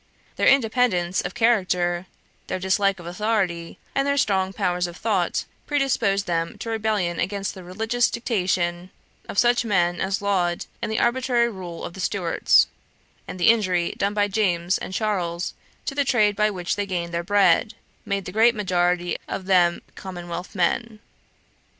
Their independence of character, their dislike of authority, and their strong powers of thought, predisposed them to rebellion against the religious dictation of such men as Laud, and the arbitrary rule of the Stuarts; and the injury done by James and Charles to the trade by which they gained their bread, made the great majority of them Commonwealth men.